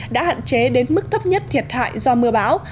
đã hạn chế đến mức thấp nhất thiệt hại do mưa bão